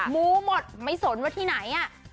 มูหมดไม่สนว่าที่ไหน